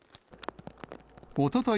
おととい